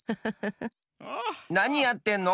なにやってんの？